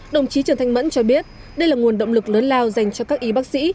đồng chí trần thanh mẫn cho biết đây là nguồn động lực lớn lao dành cho các y bác sĩ